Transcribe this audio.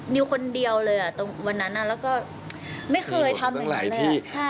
นิวคนเดียวเลยตอนวันนั้นแล้วก็ไม่เคยทำอะไรเลย